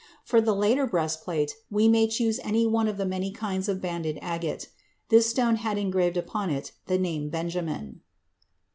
For the later breastplate we may choose any one of the many kinds of banded agate. This stone had engraved upon it the name Benjamin.